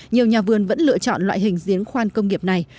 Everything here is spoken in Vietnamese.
nhiều nhà vườn vẫn lựa chọn loại hình giếng khoan công nghiệp này